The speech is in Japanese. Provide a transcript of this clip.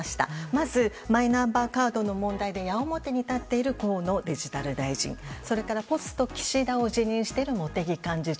まずマイナンバーカードの問題で矢面に立っている河野デジタル大臣それからポスト岸田を自認している茂木幹事長。